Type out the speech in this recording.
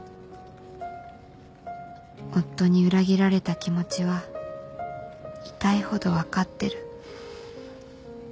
夫に裏切られた気持ちは痛いほど分かってる